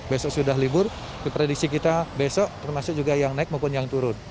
besok sudah libur diprediksi kita besok termasuk juga yang naik maupun yang turun